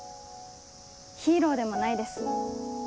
ヒーローでもないです。